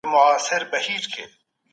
څېړونکي په کتابتونونو کي معلومات لټوي.